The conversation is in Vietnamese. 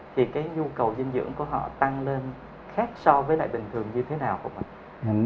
thì cái nhu cầu dinh dưỡng của họ tăng lên khác so với lại bình thường như thế nào của mình